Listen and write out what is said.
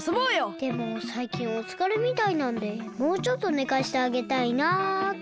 でもさいきんおつかれみたいなんでもうちょっと寝かしてあげたいなって。